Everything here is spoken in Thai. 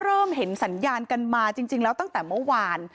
เริ่มเห็นสัญญาณกันมาจริงแล้วตั้งแต่เมื่อวาน